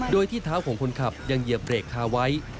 โดยที่เท้าของคนขับยังเหยียบเบรกคาไว้